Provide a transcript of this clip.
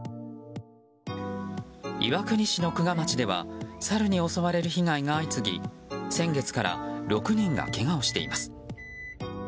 岩国市の玖珂町ではサルに襲われる被害が相次ぎ先月から６人がけがをしています。